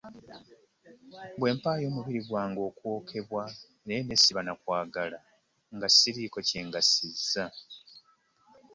Bwe mpaayo omubiri gwange okwokebwa, naye ne siba na kwagala, nga ssiriiko kye ngasizza.